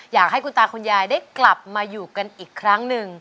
อยากให้คุณตาคุณยายได้กลับมาอยู่กันอีกครั้งหนึ่ง